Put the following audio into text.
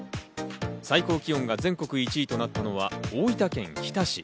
最高気温が全国１位となったのは大分県日田市。